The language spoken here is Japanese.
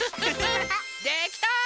できた！